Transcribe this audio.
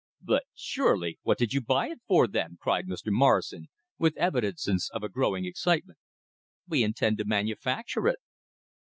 "But surely What did you buy it for, then?" cried Mr. Morrison, with evidences of a growing excitement. "We intend to manufacture it."